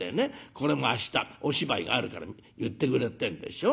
これも明日お芝居があるから結ってくれってえんでしょ。